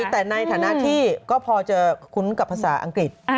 แต่ในฐานะที่ก็พอจะคุ้นกับภาษาอังกฤษ